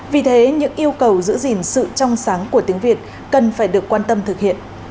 vì thế những yêu cầu giữ gìn sự trong sáng của tiếng việt cần phải được quan tâm thực hiện